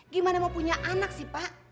gimana mau punya anak sih pak